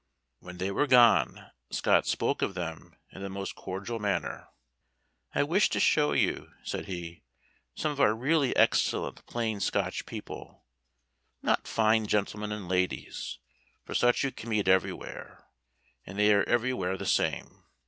When they were gone, Scott spoke of them in the most cordial manner. "I wished to show you," said he, "some of our really excellent, plain Scotch people; not fine gentlemen and ladies, for such you can meet everywhere, and they are everywhere the same.